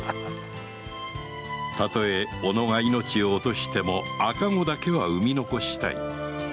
たとえ己が命を落としても赤子だけは産み残したい